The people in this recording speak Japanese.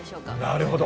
なるほど。